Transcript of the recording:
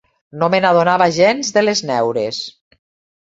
No m'adonava gens de les neures.